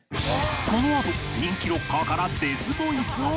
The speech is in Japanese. このあと人気ロッカーからデスボイスを学ぶ